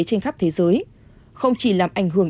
trên khắp thế giới không chỉ làm ảnh hưởng